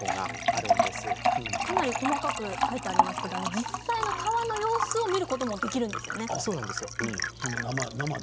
かなり細かく書いてありますが実際の川の様子を見ることもできるんですよね。